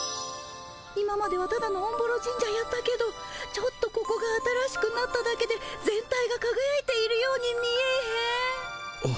今まではただのおんぼろ神社やったけどちょっとここが新しくなっただけで全体がかがやいているように見えへん？